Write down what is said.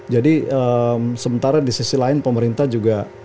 jadi sementara di sisi lain pemerintah juga